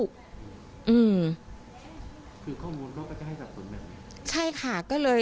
คือข้อมูลเขาก็จะให้จากตัวเนี่ย